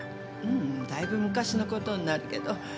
だいぶ昔の事になるけど。